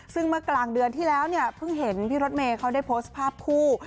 ซึ่งเมื่อกลางเดือนที่แล้วเนี่ยเพิ่งเห็นพี่รถเมย์เขาได้โพสต์ภาพคู่